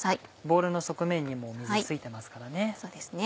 ボウルの側面にも水付いてますからね。